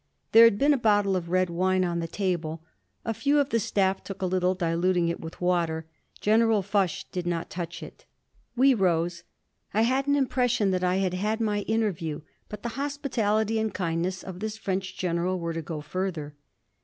There had been a bottle of red wine on the table. A few of the staff took a little, diluting it with water. General Foch did not touch it. We rose. I had an impression that I had had my interview; but the hospitality and kindness of this French general were to go further.